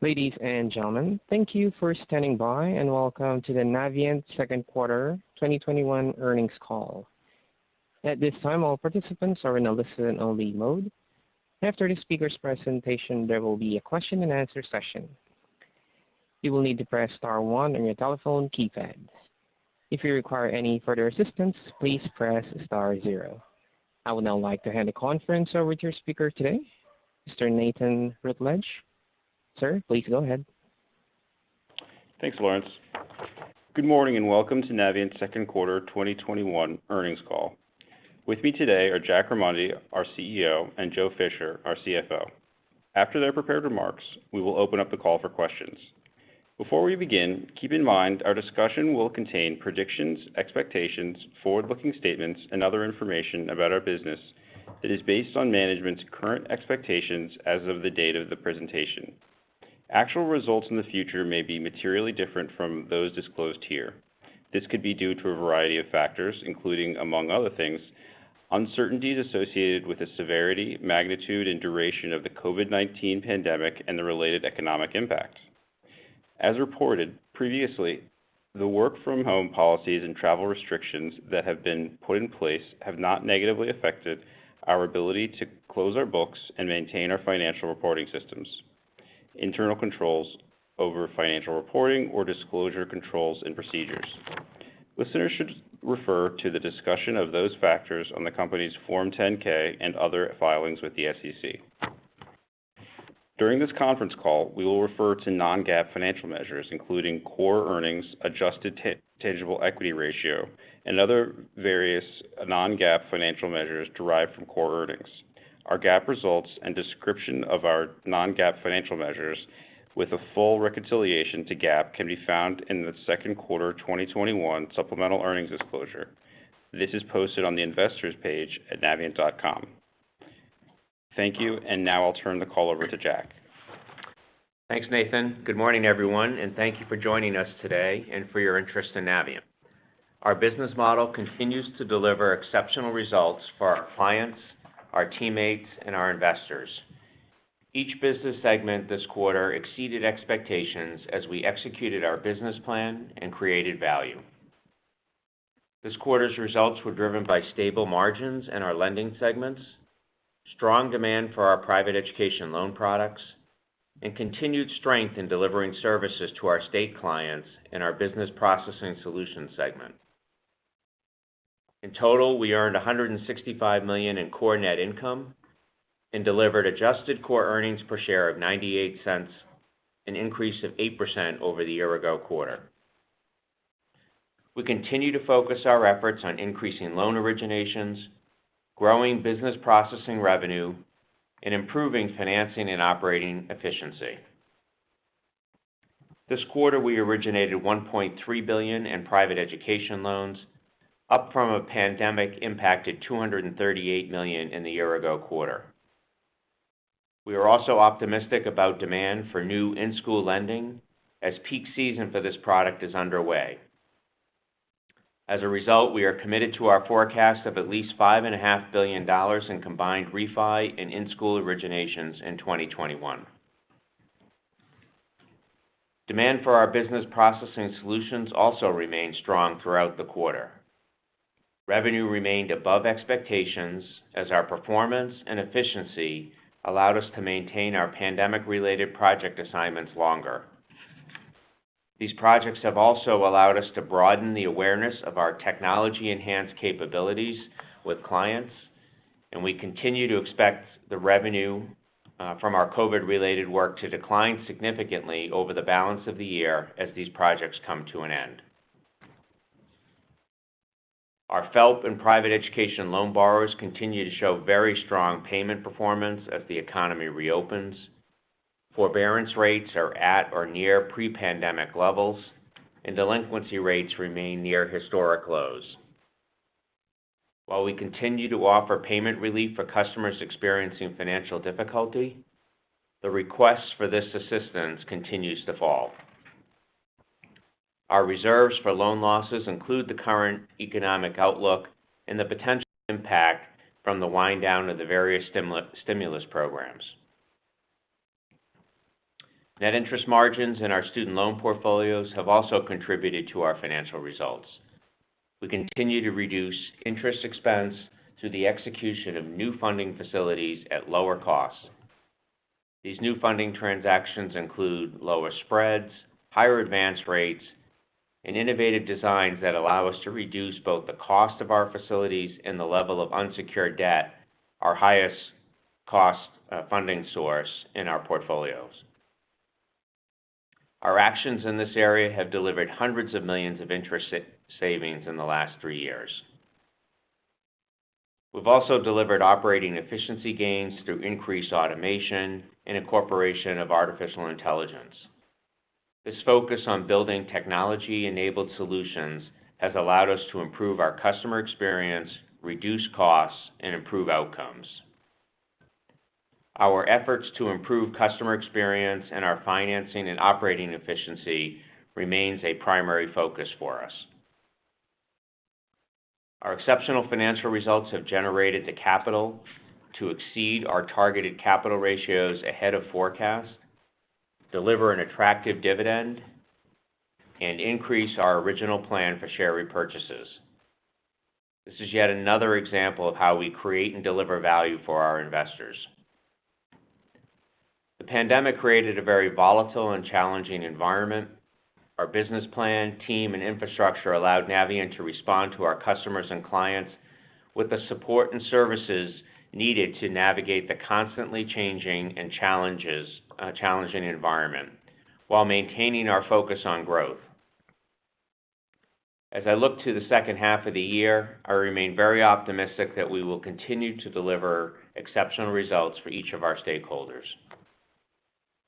Ladies and gentlemen, thank you for standing by, and welcome to the Navient second quarter 2021 earnings call. I would now like to hand the conference over to your speaker today, Mr. Nathan Rutledge. Sir, please go ahead. Thanks, Lawrence. Good morning. Welcome to Navient's second quarter 2021 earnings call. With me today are Jack Remondi, our CEO, and Joe Fisher, our CFO. After their prepared remarks, we will open up the call for questions. Keep in mind our discussion will contain predictions, expectations, forward-looking statements, and other information about our business that is based on management's current expectations as of the date of the presentation. Actual results in the future may be materially different from those disclosed here. This could be due to a variety of factors, including, among other things, uncertainties associated with the severity, magnitude, and duration of the COVID-19 pandemic and the related economic impact. As reported previously, the work-from-home policies and travel restrictions that have been put in place have not negatively affected our ability to close our books and maintain our financial reporting systems, internal controls over financial reporting or disclosure controls and procedures. Listeners should refer to the discussion of those factors on the company's Form 10-K and other filings with the SEC. During this conference call, we will refer to non-GAAP financial measures, including core earnings, adjusted tangible equity ratio, and other various non-GAAP financial measures derived from core earnings. Our GAAP results and description of our non-GAAP financial measures with a full reconciliation to GAAP can be found in the second quarter 2021 supplemental earnings disclosure. This is posted on the investors page at navient.com. Thank you, and now I'll turn the call over to Jack. Thanks, Nathan. Good morning, everyone, and thank you for joining us today and for your interest in Navient. Our business model continues to deliver exceptional results for our clients, our teammates, and our investors. Each business segment this quarter exceeded expectations as we executed our business plan and created value. This quarter's results were driven by stable margins in our lending segments, strong demand for our private education loan products, and continued strength in delivering services to our state clients in our business processing segment. In total, we earned $165 million in core net income and delivered adjusted core earnings per share of $0.98, an increase of 8% over the year-ago quarter. We continue to focus our efforts on increasing loan originations, growing business processing revenue, and improving financing and operating efficiency. This quarter, we originated $1.3 billion in private education loans, up from a pandemic-impacted $238 million in the year-ago quarter. We are also optimistic about demand for new in-school lending as peak season for this product is underway. As a result, we are committed to our forecast of at least $5.5 billion in combined refi and in-school originations in 2021. Demand for our business processing solutions also remained strong throughout the quarter. Revenue remained above expectations as our performance and efficiency allowed us to maintain our pandemic-related project assignments longer. These projects have also allowed us to broaden the awareness of our technology-enhanced capabilities with clients, and we continue to expect the revenue from our COVID-related work to decline significantly over the balance of the year as these projects come to an end. Our FFELP and private education loan borrowers continue to show very strong payment performance as the economy reopens. Forbearance rates are at or near pre-pandemic levels, and delinquency rates remain near historic lows. While we continue to offer payment relief for customers experiencing financial difficulty, the requests for this assistance continues to fall. Our reserves for loan losses include the current economic outlook and the potential impact from the wind-down of the various stimulus programs. Net interest margins in our student loan portfolios have also contributed to our financial results. We continue to reduce interest expense through the execution of new funding facilities at lower costs. These new funding transactions include lower spreads, higher advance rates, and innovative designs that allow us to reduce both the cost of our facilities and the level of unsecured debt, our highest cost funding source in our portfolios. Our actions in this area have delivered hundreds of millions of interest savings in the last three years. We've also delivered operating efficiency gains through increased automation and incorporation of artificial intelligence. This focus on building technology-enabled solutions has allowed us to improve our customer experience, reduce costs, and improve outcomes. Our efforts to improve customer experience and our financing and operating efficiency remains a primary focus for us. Our exceptional financial results have generated the capital to exceed our targeted capital ratios ahead of forecast, deliver an attractive dividend, and increase our original plan for share repurchases. This is yet another example of how we create and deliver value for our investors. The pandemic created a very volatile and challenging environment. Our business plan, team, and infrastructure allowed Navient to respond to our customers and clients with the support and services needed to navigate the constantly changing and challenging environment while maintaining our focus on growth. As I look to the second half of the year, I remain very optimistic that we will continue to deliver exceptional results for each of our stakeholders.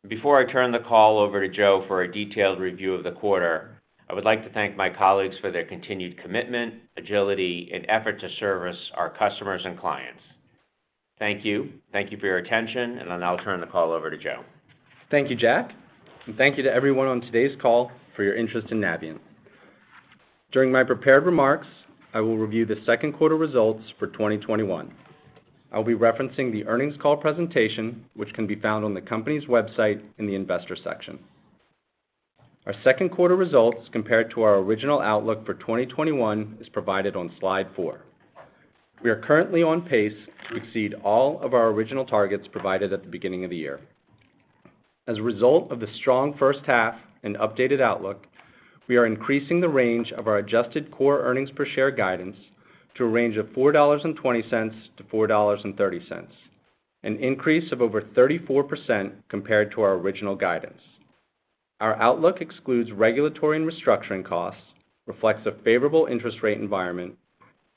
Before I turn the call over to Joe for a detailed review of the quarter, I would like to thank my colleagues for their continued commitment, agility, and effort to service our customers and clients. Thank you. Thank you for your attention, and I'll now turn the call over to Joe. Thank you, Jack, and thank you to everyone on today's call for your interest in Navient. During my prepared remarks, I will review the second quarter results for 2021. I will be referencing the earnings call presentation, which can be found on the company's website in the investor section. Our second quarter results compared to our original outlook for 2021 is provided on slide four. We are currently on pace to exceed all of our original targets provided at the beginning of the year. As a result of the strong first half and updated outlook, we are increasing the range of our adjusted core earnings per share guidance to a range of $4.20-$4.30, an increase of over 34% compared to our original guidance. Our outlook excludes regulatory and restructuring costs, reflects a favorable interest rate environment,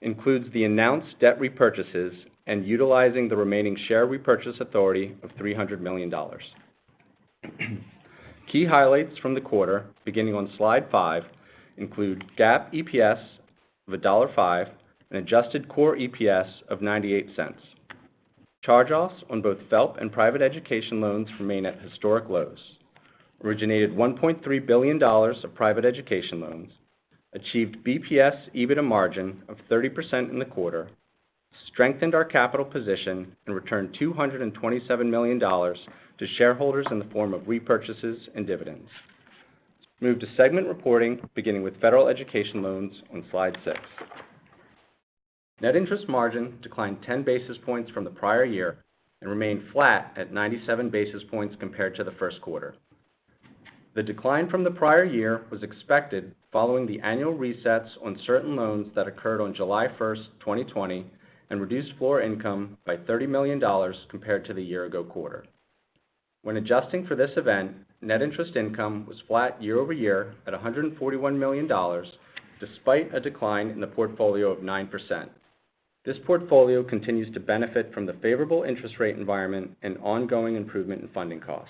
includes the announced debt repurchases, and utilizing the remaining share repurchase authority of $300 million. Key highlights from the quarter, beginning on slide five, include GAAP EPS of $1.05 and adjusted core EPS of $0.98. Charge-offs on both FFELP and private education loans remain at historic lows. Originated $1.3 billion of private education loans, achieved BPS EBITDA margin of 30% in the quarter, strengthened our capital position, and returned $227 million to shareholders in the form of repurchases and dividends. Move to segment reporting, beginning with federal education loans on slide six. Net interest margin declined 10 basis points from the prior year and remained flat at 97 basis points compared to the first quarter. The decline from the prior year was expected following the annual resets on certain loans that occurred on July 1st, 2020 and reduced floor income by $30 million compared to the year-ago quarter. When adjusting for this event, net interest income was flat year-over-year at $141 million, despite a decline in the portfolio of 9%. This portfolio continues to benefit from the favorable interest rate environment and ongoing improvement in funding costs.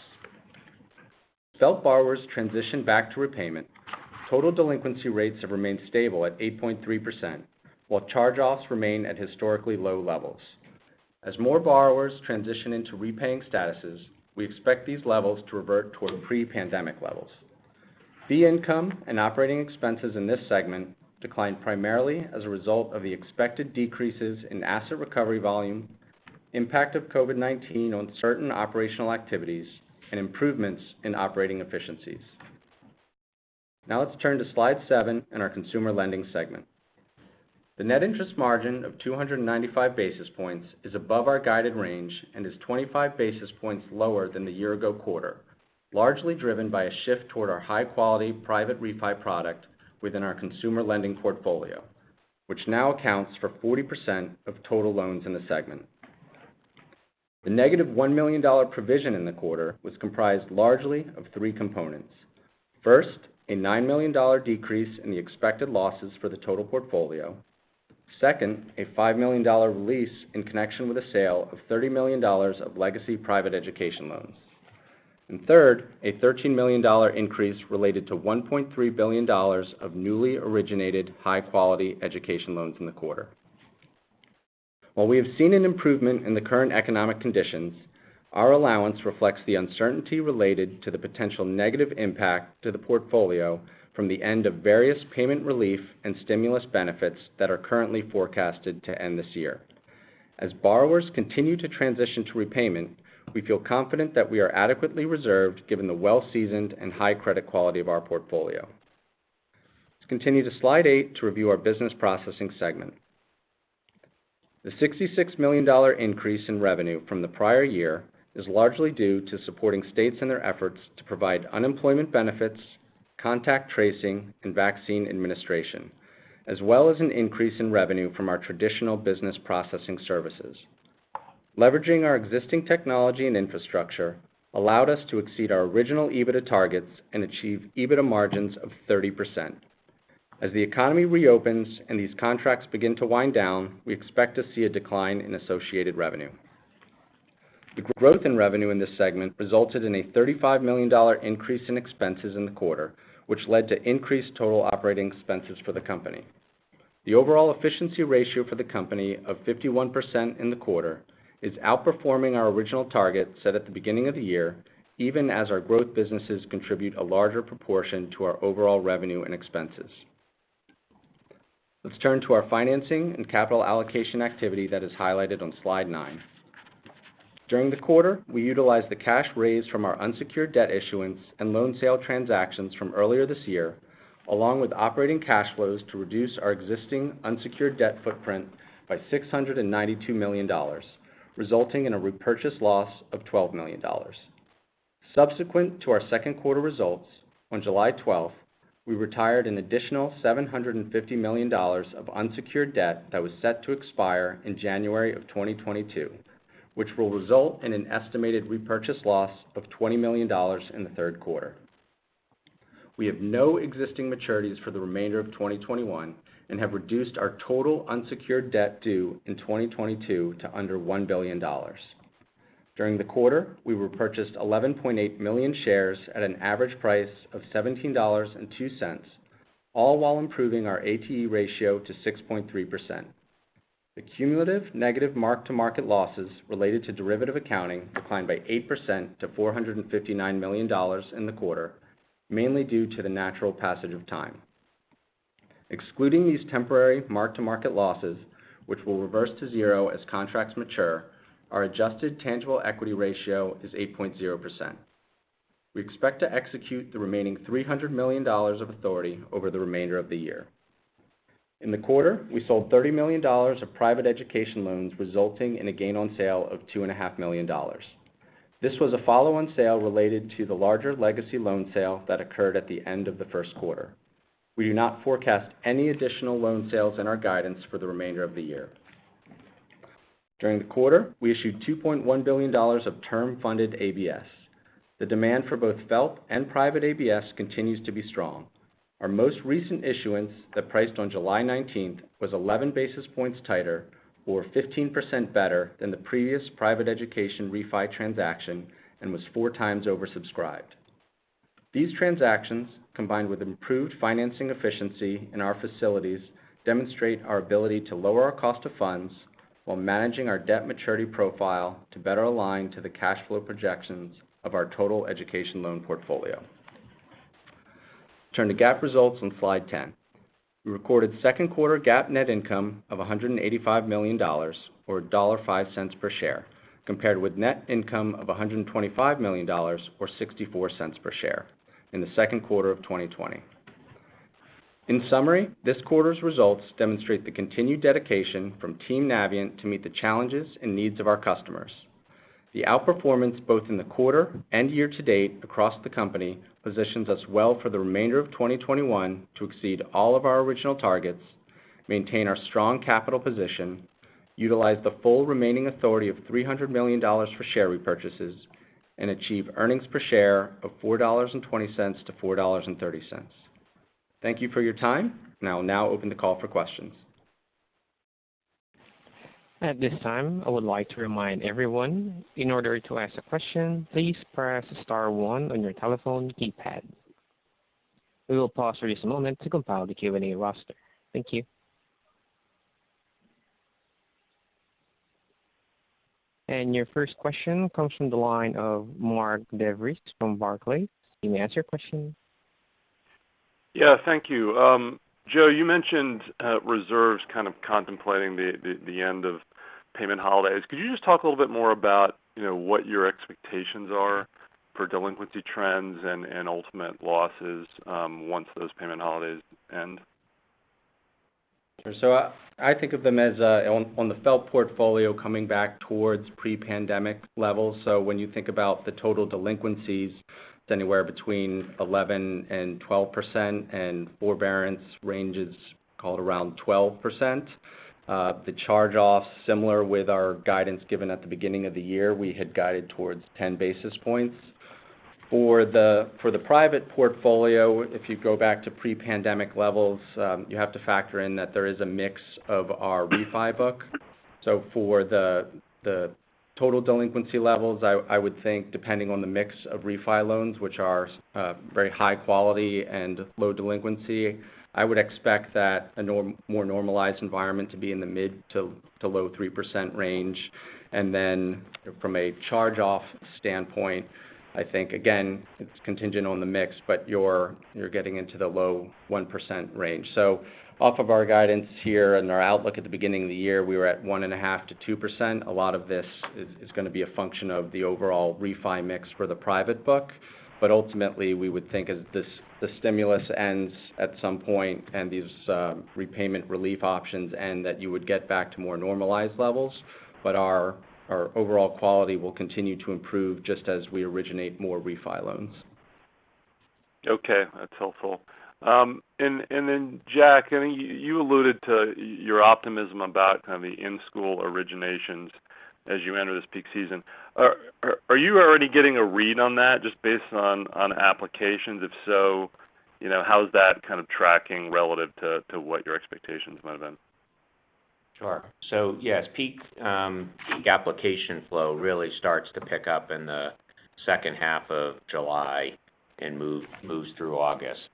FFELP borrowers transitioned back to repayment. Total delinquency rates have remained stable at 8.3%, while charge-offs remain at historically low levels. As more borrowers transition into repaying statuses, we expect these levels to revert toward pre-pandemic levels. Fee income and operating expenses in this segment declined primarily as a result of the expected decreases in asset recovery volume, impact of COVID-19 on certain operational activities, and improvements in operating efficiencies. Now let's turn to slide seven and our consumer lending segment. The net interest margin of 295 basis points is above our guided range and is 25 basis points lower than the year ago quarter, largely driven by a shift toward our high-quality private refi product within our consumer lending portfolio, which now accounts for 40% of total loans in the segment. The negative $1 million provision in the quarter was comprised largely of three components. First, a $9 million decrease in the expected losses for the total portfolio. Second, a $5 million release in connection with the sale of $30 million of legacy private education loans. Third, a $13 million increase related to $1.3 billion of newly originated high-quality education loans in the quarter. While we have seen an improvement in the current economic conditions, our allowance reflects the uncertainty related to the potential negative impact to the portfolio from the end of various payment relief and stimulus benefits that are currently forecasted to end this year. As borrowers continue to transition to repayment, we feel confident that we are adequately reserved given the well-seasoned and high credit quality of our portfolio. Let's continue to slide eight to review our business processing segment. The $66 million increase in revenue from the prior year is largely due to supporting states in their efforts to provide unemployment benefits, contact tracing, and vaccine administration, as well as an increase in revenue from our traditional business processing services. Leveraging our existing technology and infrastructure allowed us to exceed our original EBITDA targets and achieve EBITDA margins of 30%. As the economy reopens and these contracts begin to wind down, we expect to see a decline in associated revenue. The growth in revenue in this segment resulted in a $35 million increase in expenses in the quarter, which led to increased total operating expenses for the company. The overall efficiency ratio for the company of 51% in the quarter is outperforming our original target set at the beginning of the year, even as our growth businesses contribute a larger proportion to our overall revenue and expenses. Let's turn to our financing and capital allocation activity that is highlighted on slide nine. During the quarter, we utilized the cash raised from our unsecured debt issuance and loan sale transactions from earlier this year, along with operating cash flows, to reduce our existing unsecured debt footprint by $692 million, resulting in a repurchase loss of $12 million. Subsequent to our second quarter results, on July 12th, we retired an additional $750 million of unsecured debt that was set to expire in January of 2022, which will result in an estimated repurchase loss of $20 million in the third quarter. We have no existing maturities for the remainder of 2021 and have reduced our total unsecured debt due in 2022 to under $1 billion. During the quarter, we repurchased 11.8 million shares at an average price of $17.02, all while improving our ATE ratio to 6.3%. The cumulative negative mark-to-market losses related to derivative accounting declined by 8% to $459 million in the quarter, mainly due to the natural passage of time. Excluding these temporary mark-to-market losses, which will reverse to zero as contracts mature, our adjusted tangible equity ratio is 8.0%. We expect to execute the remaining $300 million of authority over the remainder of the year. In the quarter, we sold $30 million of private education loans, resulting in a gain on sale of $2.5 million. This was a follow-on sale related to the larger legacy loan sale that occurred at the end of the first quarter. We do not forecast any additional loan sales in our guidance for the remainder of the year. During the quarter, we issued $2.1 billion of term funded ABS. The demand for both FFELP and private ABS continues to be strong. Our most recent issuance that priced on July 19th was 11 basis points tighter or 15% better than the previous private education refi transaction and was four times oversubscribed. These transactions, combined with improved financing efficiency in our facilities, demonstrate our ability to lower our cost of funds while managing our debt maturity profile to better align to the cash flow projections of our total education loan portfolio. Turn to GAAP results on slide 10. We recorded second quarter GAAP net income of $185 million, or $1.05 per share, compared with net income of $125 million, or $0.64 per share in the second quarter of 2020. In summary, this quarter's results demonstrate the continued dedication from Team Navient to meet the challenges and needs of our customers. The outperformance both in the quarter and year to date across the company positions us well for the remainder of 2021 to exceed all of our original targets, maintain our strong capital position, utilize the full remaining authority of $300 million for share repurchases, and achieve earnings per share of $4.20-$4.30. Thank you for your time. I will now open the call for questions. At this time, I would like to remind everyone, in order to ask a question, please press star one on your telephone keypad. We will pause for just a moment to compile the Q&A roster. Thank you. Your first question comes from the line of Mark DeVries from Barclays. You may ask your question. Yeah. Thank you. Joe, you mentioned reserves kind of contemplating the end of payment holidays. Could you just talk a little bit more about what your expectations are for delinquency trends and ultimate losses once those payment holidays end? Sure. I think of them as on the FFELP portfolio coming back towards pre-pandemic levels. When you think about the total delinquencies, it's anywhere between 11% and 12%, and forbearance range is called around 12%. The charge-offs, similar with our guidance given at the beginning of the year, we had guided towards 10 basis points. For the private portfolio, if you go back to pre-pandemic levels, you have to factor in that there is a mix of our refi book. For the total delinquency levels, I would think depending on the mix of refi loans, which are very high quality and low delinquency, I would expect that a more normalized environment to be in the mid to low 3% range. Then from a charge-off standpoint, I think, again, it's contingent on the mix, but you're getting into the low 1% range. Off of our guidance here and our outlook at the beginning of the year, we were at 1.5%-2%. A lot of this is going to be a function of the overall refi mix for the private book. Ultimately, we would think as the stimulus ends at some point and these repayment relief options end, that you would get back to more normalized levels. Our overall quality will continue to improve just as we originate more refi loans. Okay. That's helpful. Jack, you alluded to your optimism about kind of the in-school originations as you enter this peak season. Are you already getting a read on that just based on applications? If so, how's that kind of tracking relative to what your expectations might have been? Sure. Yes, peak application flow really starts to pick up in the second half of July and moves through August.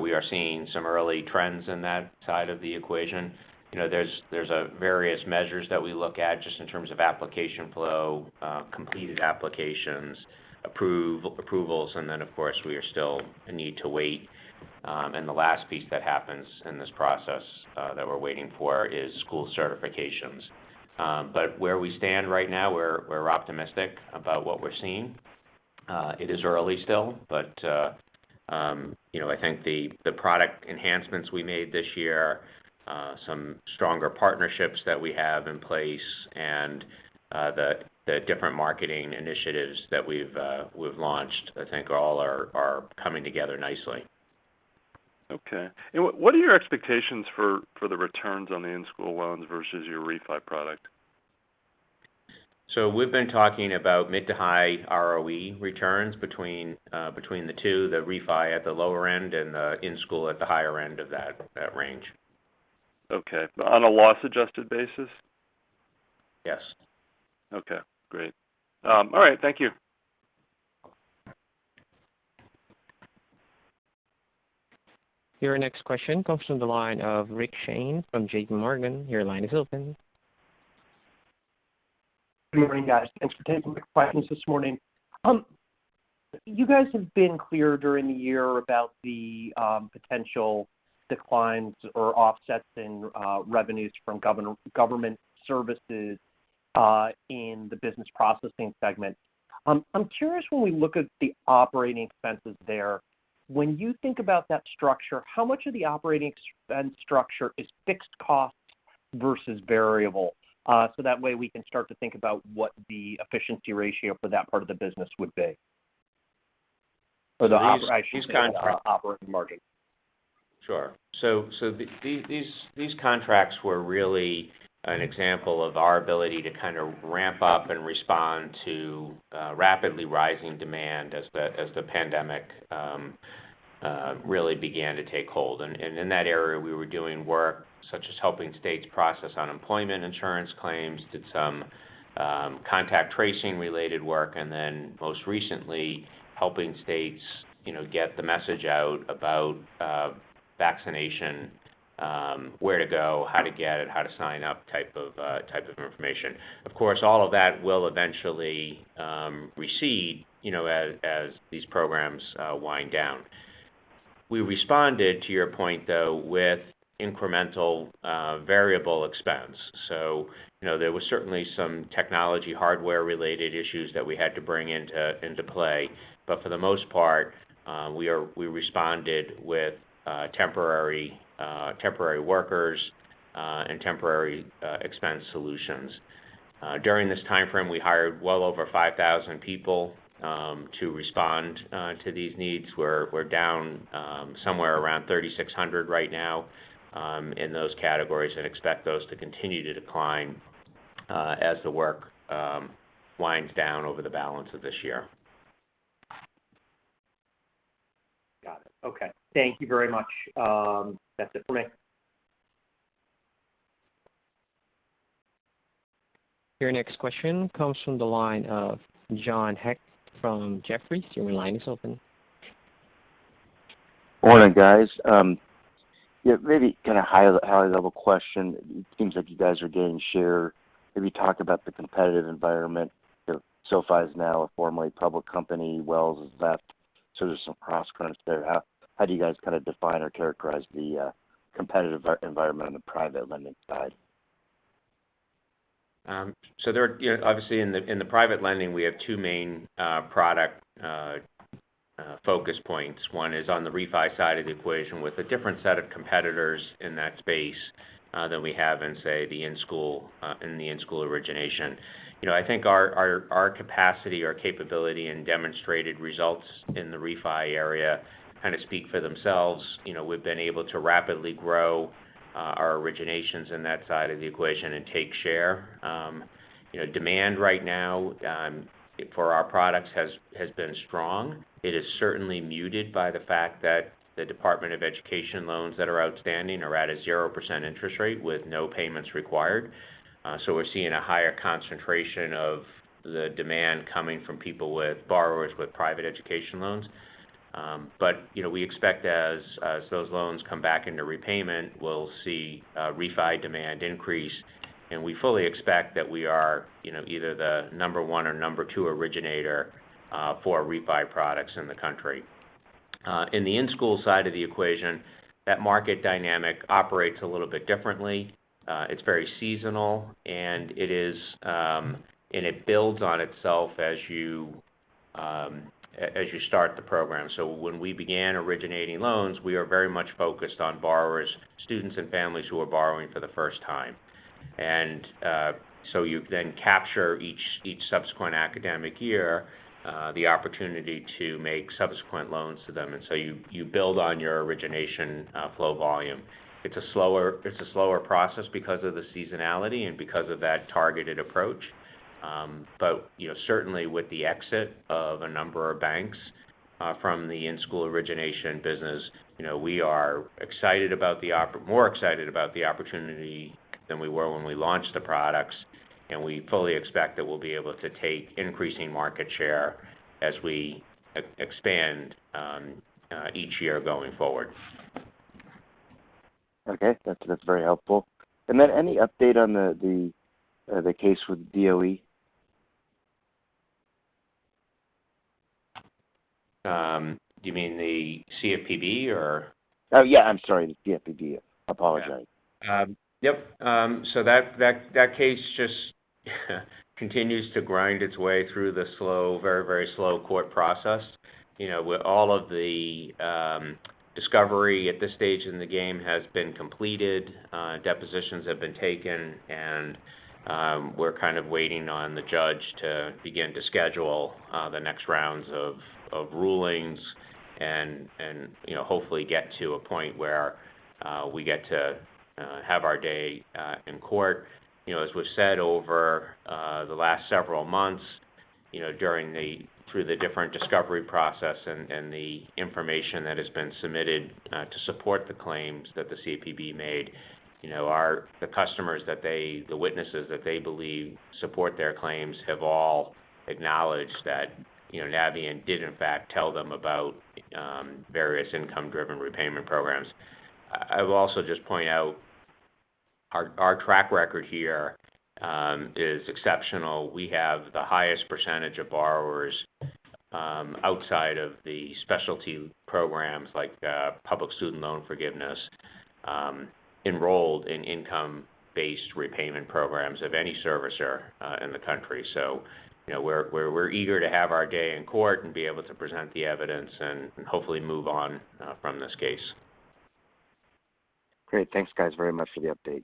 We are seeing some early trends in that side of the equation. There's various measures that we look at just in terms of application flow, completed applications, approvals, of course, we still need to wait, the last piece that happens in this process that we're waiting for is school certifications. Where we stand right now, we're optimistic about what we're seeing. It is early still, I think the product enhancements we made this year, some stronger partnerships that we have in place, the different marketing initiatives that we've launched, I think all are coming together nicely. Okay. What are your expectations for the returns on the in-school loans versus your refi product? We've been talking about mid to high ROE returns between the two, the refi at the lower end and the in-school at the higher end of that range. Okay. On a loss-adjusted basis? Yes. Okay, great. All right, thank you. Your next question comes from the line of Rick Shane from JPMorgan. Your line is open. Good morning, guys. Thanks for taking my questions this morning. You guys have been clear during the year about the potential declines or offsets in revenues from government services in the Business Processing Segment. I'm curious when we look at the operating expenses there, when you think about that structure, how much of the operating expense structure is fixed costs versus variable? That way we can start to think about what the efficiency ratio for that part of the business would be. For the ops? These kinds of operating margins. Sure. These contracts were really an example of our ability to kind of ramp up and respond to rapidly rising demand as the pandemic really began to take hold. In that area, we were doing work such as helping states process unemployment insurance claims, did some contact tracing-related work, and most recently, helping states get the message out about vaccination, where to go, how to get it, how to sign up type of information. Of course, all of that will eventually recede as these programs wind down. We responded, to your point though, with incremental variable expense. There was certainly some technology hardware-related issues that we had to bring into play. For the most part, we responded with temporary workers and temporary expense solutions. During this timeframe, we hired well over 5,000 people to respond to these needs. We're down somewhere around 3,600 right now in those categories and expect those to continue to decline as the work winds down over the balance of this year. Got it. Okay. Thank you very much. That's it for me. Your next question comes from the line of John Hecht from Jefferies. Your line is open. Morning, guys. Yeah, maybe kind of high-level question. It seems like you guys are gaining share. Maybe talk about the competitive environment. SoFi is now a formerly public company. Wells has left. There's some cross-currents there. How do you guys kind of define or characterize the competitive environment on the private lending side? Obviously in the private lending, we have two main product focus points. 1 is on the refi side of the equation with a different set of competitors in that space than we have in, say, the in-school origination. I think our capacity or capability and demonstrated results in the refi area kind of speak for themselves. We've been able to rapidly grow our originations in that side of the equation and take share. Demand right now for our products has been strong. It is certainly muted by the fact that the Department of Education loans that are outstanding are at a 0% interest rate with no payments required. We're seeing a higher concentration of the demand coming from borrowers with private education loans. We expect as those loans come back into repayment, we'll see refi demand increase, and we fully expect that we are either the number one or number two originator for refi products in the country. In the in-school side of the equation, that market dynamic operates a little bit differently. It's very seasonal, and it builds on itself as you start the program. When we began originating loans, we were very much focused on borrowers, students and families who were borrowing for the first time. You then capture each subsequent academic year the opportunity to make subsequent loans to them. You build on your origination flow volume. It's a slower process because of the seasonality and because of that targeted approach. Certainly with the exit of a number of banks from the in-school origination business, we are more excited about the opportunity than we were when we launched the products, and we fully expect that we'll be able to take increasing market share as we expand each year going forward. Okay. That's very helpful. Any update on the case with DOE? You mean the CFPB or? Oh, yeah, I'm sorry, the CFPB. I apologize. Yep. That case just continues to grind its way through the very slow court process. With all of the discovery at this stage in the game has been completed, depositions have been taken, and we're kind of waiting on the judge to begin to schedule the next rounds of rulings and hopefully get to a point where we get to have our day in court. As we've said over the last several months, through the different discovery process and the information that has been submitted to support the claims that the CFPB made, the witnesses that they believe support their claims have all acknowledged that Navient did in fact tell them about various income-driven repayment programs. I will also just point out our track record here is exceptional. We have the highest percentage of borrowers outside of the specialty programs like Public Service Loan Forgiveness enrolled in income-based repayment programs of any servicer in the country. We're eager to have our day in court and be able to present the evidence and hopefully move on from this case. Great. Thanks, guys, very much for the update.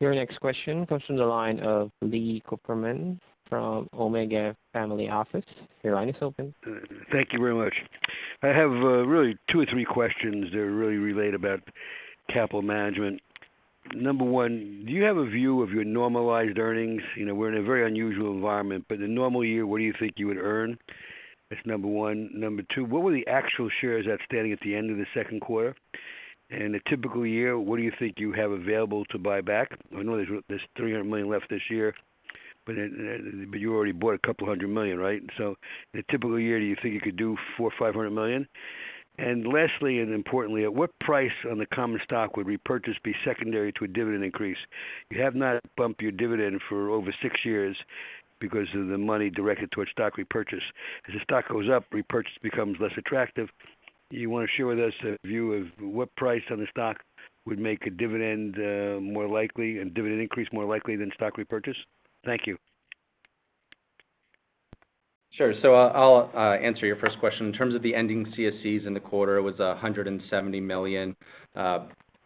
Your next question comes from the line of Lee Cooperman from Omega Family Office. Your line is open. Thank you very much. I have really two or three questions that really relate about capital management. Number one, do you have a view of your normalized earnings? We're in a very unusual environment, but in a normal year, what do you think you would earn? That's numberone. Number two, what were the actual shares outstanding at the end of the second quarter? In a typical year, what do you think you have available to buy back? I know there's $300 million left this year, but you already bought $200 million, right? In a typical year, do you think you could do $400 million or $500 million? Lastly, and importantly, at what price on the common stock would repurchase be secondary to a dividend increase? You have not bumped your dividend for over six years because of the money directed towards stock repurchase. As the stock goes up, repurchase becomes less attractive. Do you want to share with us a view of what price on the stock would make a dividend increase more likely than stock repurchase? Thank you. Sure. I'll answer your first question. In terms of the ending CSEs in the quarter, it was $170 million.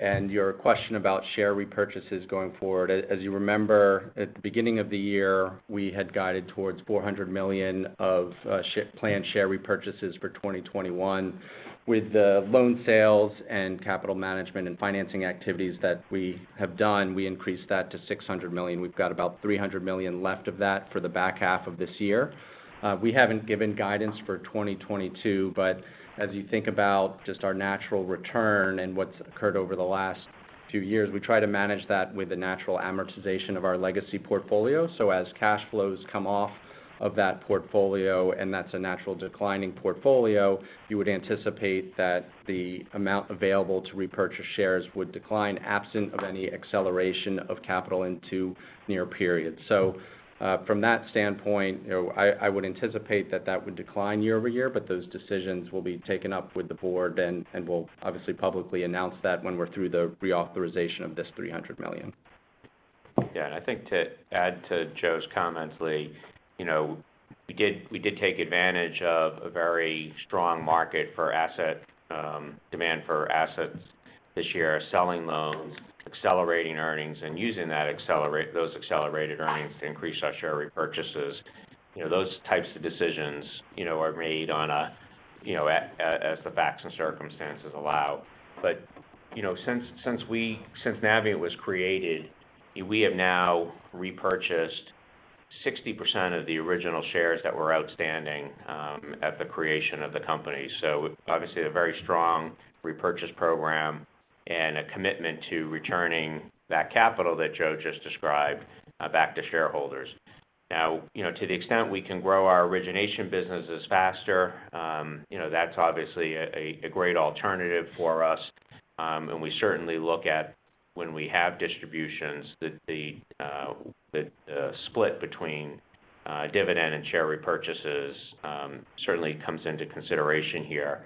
Your question about share repurchases going forward, as you remember, at the beginning of the year, we had guided towards $400 million of planned share repurchases for 2021. With the loan sales and capital management and financing activities that we have done, we increased that to $600 million. We've got about $300 million left of that for the back half of this year. We haven't given guidance for 2022, but as you think about just our natural return and what's occurred over the last few years, we try to manage that with the natural amortization of our legacy portfolio. As cash flows come off of that portfolio, and that's a natural declining portfolio, you would anticipate that the amount available to repurchase shares would decline absent of any acceleration of capital into near periods. From that standpoint, I would anticipate that that would decline year-over-year, but those decisions will be taken up with the board, and we'll obviously publicly announce that when we're through the reauthorization of this $300 million. Yeah, I think to add to Joe's comments, Lee, we did take advantage of a very strong market for demand for assets this year, selling loans, accelerating earnings, and using those accelerated earnings to increase our share repurchases. Those types of decisions are made as the facts and circumstances allow. Since Navient was created, we have now repurchased 60% of the original shares that were outstanding at the creation of the company. Obviously, a very strong repurchase program and a commitment to returning that capital that Joe just described back to shareholders. Now, to the extent we can grow our origination businesses faster, that's obviously a great alternative for us. We certainly look at when we have distributions, the split between dividend and share repurchases certainly comes into consideration here.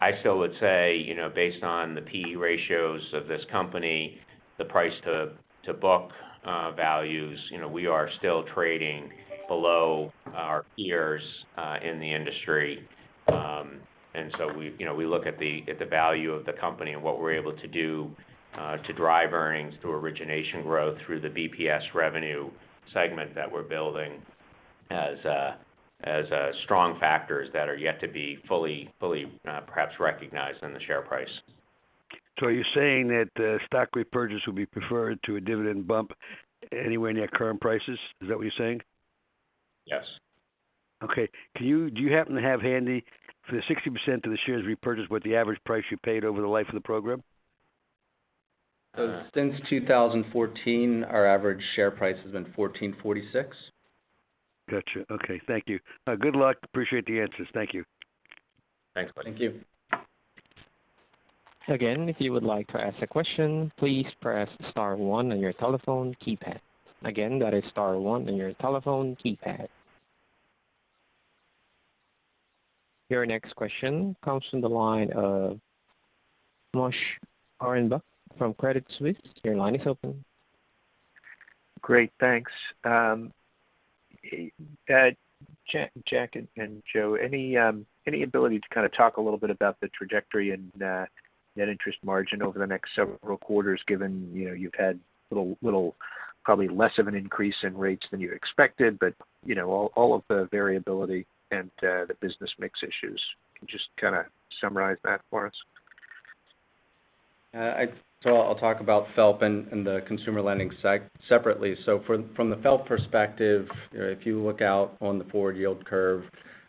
I still would say, based on the P/E ratios of this company, the price-to-book values, we are still trading below our peers in the industry. We look at the value of the company and what we're able to do to drive earnings through origination growth, through the BPS revenue segment that we're building as strong factors that are yet to be fully perhaps recognized in the share price. Are you saying that stock repurchase would be preferred to a dividend bump anywhere near current prices? Is that what you're saying? Yes. Okay. Do you happen to have handy for the 60% of the shares repurchase, what the average price you paid over the life of the program? Since 2014, our average share price has been $14.46. Got you. Okay. Thank you. Good luck. Appreciate the answers. Thank you. Thanks. Thank you. Your next question comes from the line of Moshe Orenbuch from Credit Suisse. Your line is open. Great. Thanks. Jack and Joe, any ability to talk a little bit about the trajectory and net interest margin over the next several quarters, given you've had probably less of an increase in rates than you expected, but all of the variability and the business mix issues. Can you just summarize that for us? I'll talk about FFELP and the consumer lending side separately. From the FFELP perspective, if you look out on the forward yield curve,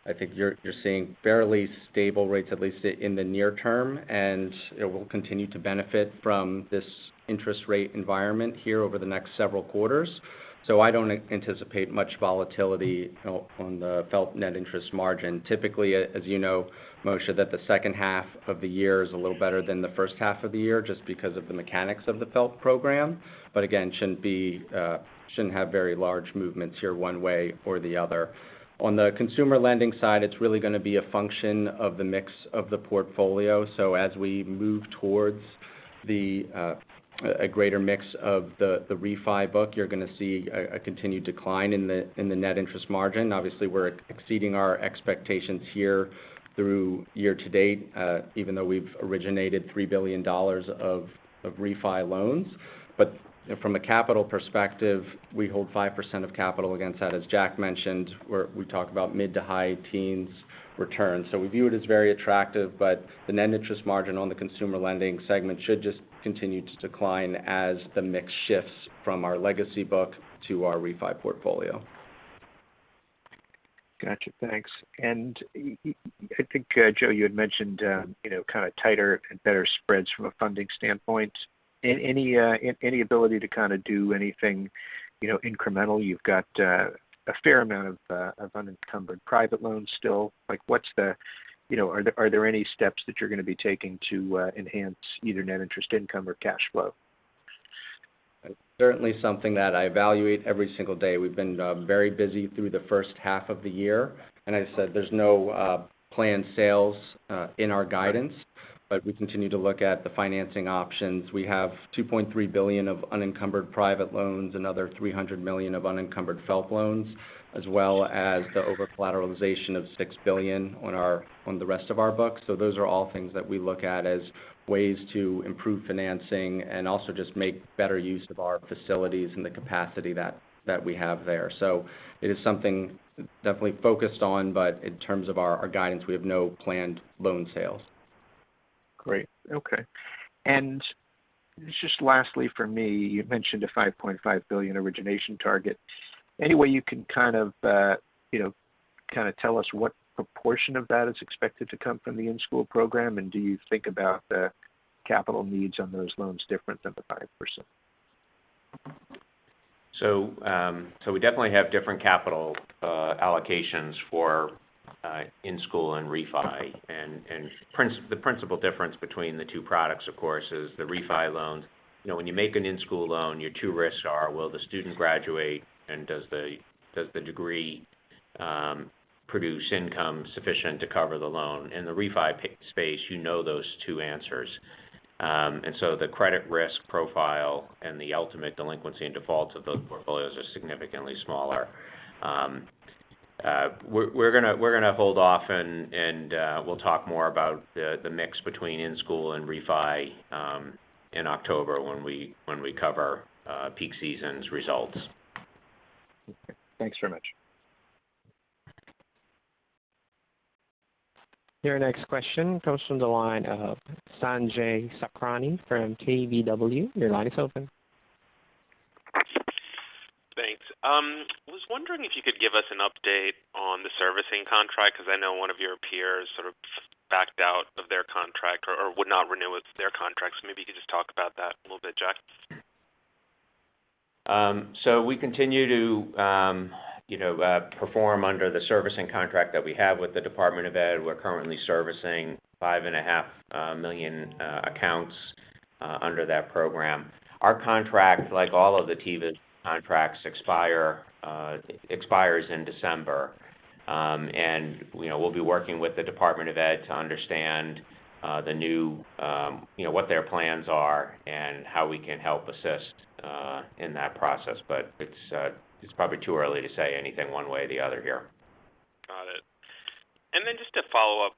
I think you're seeing fairly stable rates, at least in the near term, and it will continue to benefit from this interest rate environment here over the next several quarters. I don't anticipate much volatility on the FFELP net interest margin. Typically, as you know, Moshe, that the second half of the year is a little better than the first half of the year, just because of the mechanics of the FFELP program. Again, shouldn't have very large movements here one way or the other. On the consumer lending side, it's really going to be a function of the mix of the portfolio. As we move towards a greater mix of the refi book, you're going to see a continued decline in the net interest margin. Obviously, we're exceeding our expectations here through year to date, even though we've originated $3 billion of refi loans. From a capital perspective, we hold 5% of capital against that. As Jack mentioned, we talk about mid to high teens return. We view it as very attractive, but the net interest margin on the consumer lending segment should just continue to decline as the mix shifts from our legacy book to our refi portfolio. Got you. Thanks. I think, Joe, you had mentioned tighter and better spreads from a funding standpoint. Any ability to do anything incremental? You've got a fair amount of unencumbered private loans still. Are there any steps that you're going to be taking to enhance either net interest income or cash flow? It's certainly something that I evaluate every single day. We've been very busy through the first half of the year. As I said, there's no planned sales in our guidance, but we continue to look at the financing options. We have $2.3 billion of unencumbered private loans, another $300 million of unencumbered FFELP loans, as well as the over-collateralization of $6 billion on the rest of our books. Those are all things that we look at as ways to improve financing and also just make better use of our facilities and the capacity that we have there. It is something definitely focused on, but in terms of our guidance, we have no planned loan sales. Great. Okay. Just lastly from me, you mentioned a $5.5 billion origination target. Any way you can tell us what proportion of that is expected to come from the in-school program, and do you think about the capital needs on those loans different than the 5%? We definitely have different capital allocations for in-school and refi. The principal difference between the two products, of course, is the refi loans. When you make an in-school loan, your two risks are, will the student graduate and does the degree produce income sufficient to cover the loan? In the refi space, you know those two answers. The credit risk profile and the ultimate delinquency and defaults of those portfolios are significantly smaller. We're going to hold off and we'll talk more about the mix between in-school and refi in October when we cover peak season's results. Okay. Thanks very much. Your next question comes from the line of Sanjay Sakhrani from KBW. Your line is open. Thanks. I was wondering if you could give us an update on the servicing contract, because I know one of your peers backed out of their contract or would not renew their contracts. Maybe you could just talk about that a little bit, Jack. We continue to perform under the servicing contract that we have with the Department of Education. We're currently servicing 5.5 million accounts under that program. Our contract, like all of the TIVAS contracts, expires in December. We'll be working with the Department of Education to understand what their plans are and how we can help assist in that process. It's probably too early to say anything one way or the other here. Got it. Just to follow up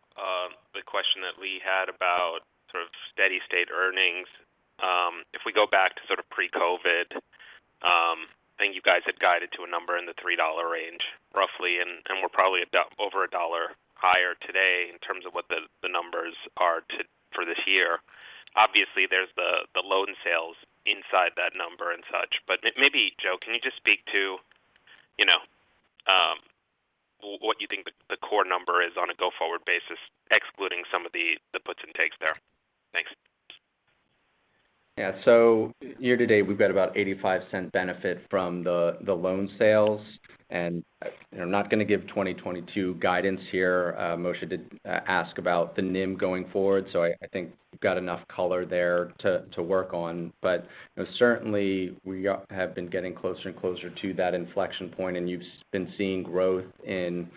the question that Lee had about steady state earnings. If we go back to pre-COVID, I think you guys had guided to a number in the $3 range, roughly, and we're probably over a $1 higher today in terms of what the numbers are for this year. Obviously, there's the loan sales inside that number and such. Maybe, Joe, can you just speak to what you think the core number is on a go-forward basis, excluding some of the puts and takes there? Thanks. Yeah. Year to date, we've got about $0.85 benefit from the loan sales. I'm not going to give 2022 guidance here. Moshe did ask about the NIM going forward, I think you've got enough color there to work on. Certainly we have been getting closer and closer to that inflection point, and you've been seeing growth in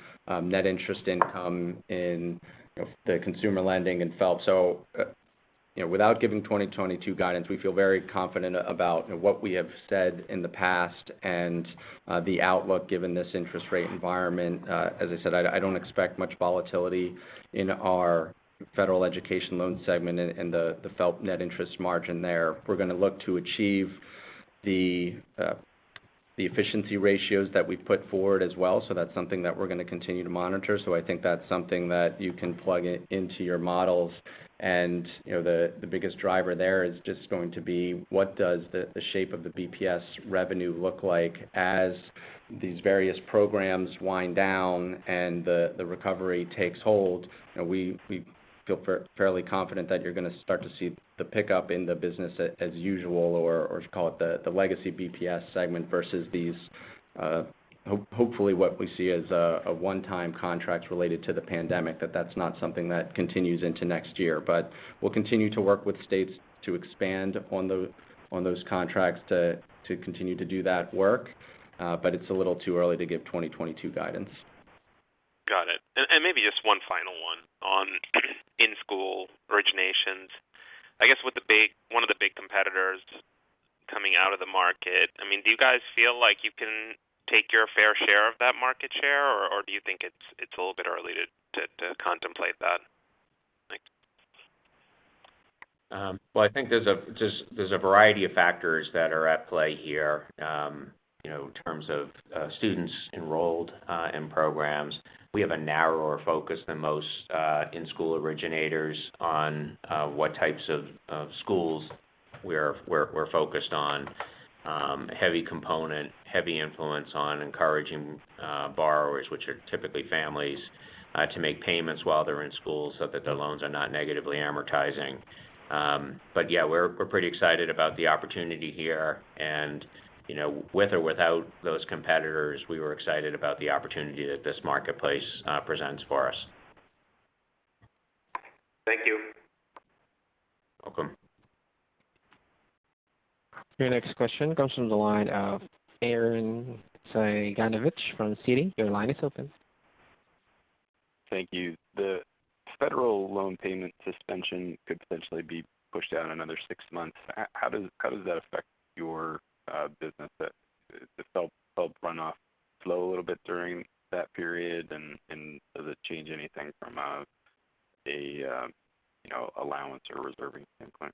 net interest income in the Consumer Lending segment in FFELP. Without giving 2022 guidance, we feel very confident about what we have said in the past and the outlook given this interest rate environment. As I said, I don't expect much volatility in our federal education loan segment and the FFELP net interest margin there. We're going to look to achieve the efficiency ratios that we've put forward as well, that's something that we're going to continue to monitor. I think that's something that you can plug into your models. The biggest driver there is just going to be what does the shape of the BPS revenue look like as these various programs wind down and the recovery takes hold. We feel fairly confident that you're going to start to see the pickup in the business as usual, or should call it the legacy BPS segment versus these, hopefully what we see as one-time contracts related to the pandemic, that that's not something that continues into next year. We'll continue to work with states to expand on those contracts to continue to do that work. It's a little too early to give 2022 guidance. Got it. Maybe just one final one on in-school originations. I guess with one of the big competitors coming out of the market, do you guys feel like you can take your fair share of that market share, or do you think it's a little bit early to contemplate that? Thanks. Well, I think there's a variety of factors that are at play here in terms of students enrolled in programs. We have a narrower focus than most in-school originators on what types of schools we're focused on. Heavy component, heavy influence on encouraging borrowers, which are typically families, to make payments while they're in school so that their loans are not negatively amortizing. Yeah, we're pretty excited about the opportunity here, and with or without those competitors, we were excited about the opportunity that this marketplace presents for us. Thank you. Welcome. Your next question comes from the line of Arren Cyganovich from Citi. Your line is open. Thank you. The federal loan payment suspension could potentially be pushed out another six months. How does that affect your business? Does the FFELP runoff slow a little bit during that period, and does it change anything from an allowance or reserving standpoint?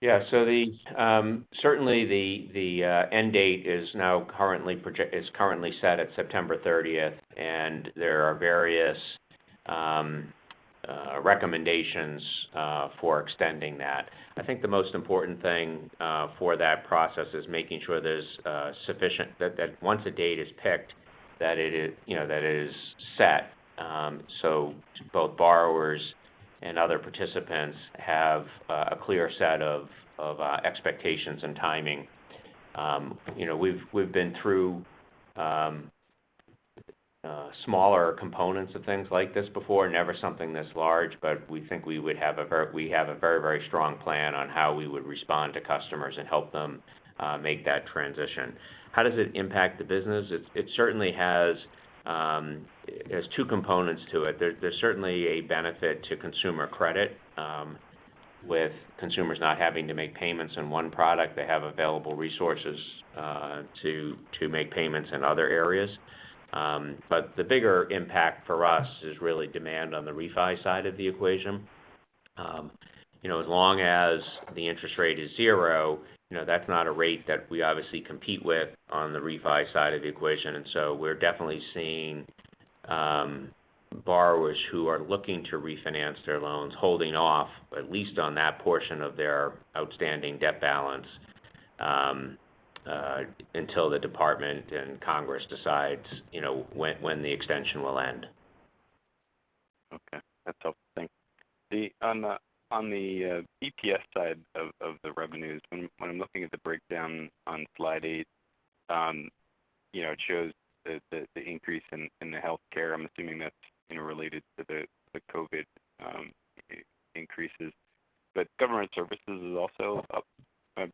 Yeah. Certainly the end date is currently set at September 30th. There are various recommendations for extending that. I think the most important thing for that process is making sure that once a date is picked, that it is set. Both borrowers and other participants have a clear set of expectations and timing. We've been through smaller components of things like this before. Never something this large. We think we have a very strong plan on how we would respond to customers and help them make that transition. How does it impact the business? It has two components to it. There's certainly a benefit to consumer credit. With consumers not having to make payments on one product, they have available resources to make payments in other areas. The bigger impact for us is really demand on the refi side of the equation. As long as the interest rate is 0%, that's not a rate that we obviously compete with on the refi side of the equation. We're definitely seeing borrowers who are looking to refinance their loans holding off, at least on that portion of their outstanding debt balance, until the Department and Congress decides when the extension will end. Okay. That's helpful. Thank you. On the BPS side of the revenues, when I'm looking at the breakdown on slide eight, it shows the increase in the healthcare. I'm assuming that's related to the COVID increases. Government services is also up pretty nicely year-over-year. When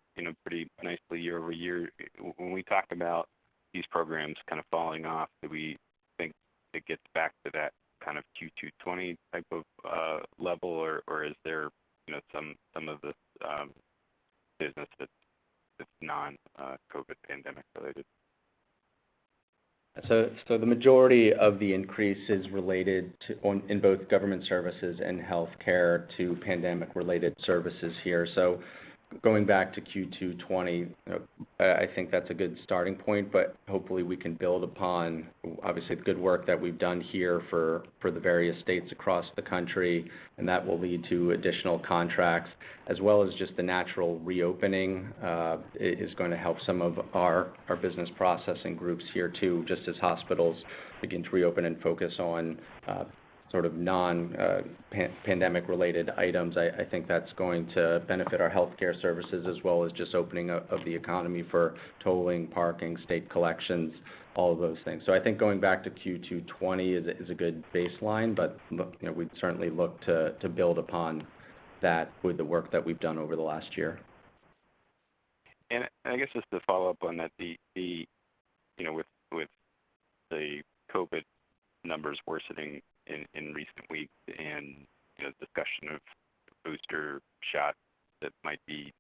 we talk about these programs kind of falling off, do we think it gets back to that kind of Q2 2020 type of level, or is there some of the business that's non-COVID pandemic related? The majority of the increase is related to, in both government services and healthcare, to pandemic-related services here. Going back to Q2 2020, I think that's a good starting point, but hopefully we can build upon, obviously, the good work that we've done here for the various states across the country, and that will lead to additional contracts. As well as just the natural reopening is going to help some of our business processing segment here too, just as hospitals begin to reopen and focus on sort of non-pandemic-related items. I think that's going to benefit our healthcare services as well as just opening up of the economy for tolling, parking, state collections, all of those things. I think going back to Q2 2020 is a good baseline, but we'd certainly look to build upon that with the work that we've done over the last year. I guess just to follow up on that, with the COVID numbers worsening in recent weeks and discussion of booster shots that might be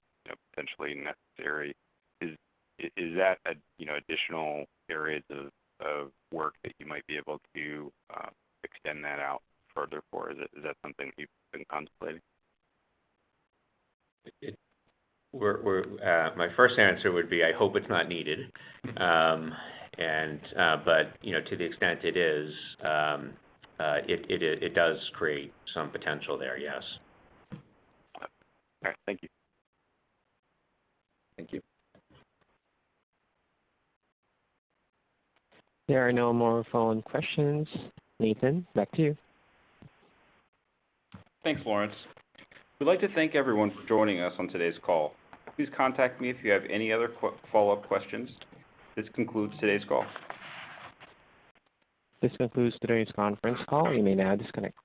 potentially necessary, is that additional areas of work that you might be able to extend that out further for? Is that something you've been contemplating? My first answer would be I hope it's not needed. To the extent it is, it does create some potential there, yes. All right. Thank you. Thank you. There are no more phone questions. Nathan, back to you. Thanks, Lawrence. We'd like to thank everyone for joining us on today's call. Please contact me if you have any other follow-up questions. This concludes today's call. This concludes today's conference call. You may now disconnect.